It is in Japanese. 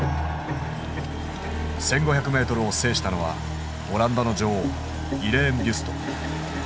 １，５００ｍを制したのはオランダの女王イレーン・ビュスト。